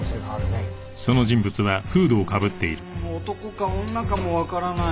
うん男か女かもわからない。